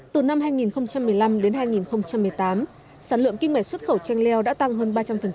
từ năm hai nghìn một mươi năm đến hai nghìn một mươi tám sản lượng kinh mệnh xuất khẩu chanh leo đã tăng hơn ba trăm linh